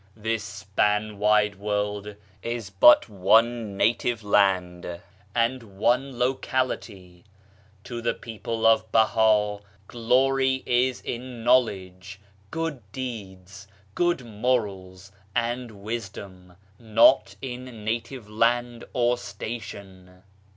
This span wide world is but one native land and one locality. ... To the people of Baha glory is in knowledge, good deeds, good morals and wisdom — not in native land or station."